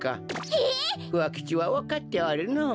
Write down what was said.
ふわ吉はわかっておるのう。